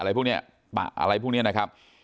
ตัดแปะอะไรพวกนี้นะครับ